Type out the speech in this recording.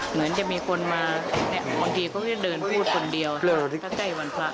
เหมือนจะมีคนมาเนี่ยบางทีเขาก็เดินพูดคนเดียวก็ใกล้วันพระ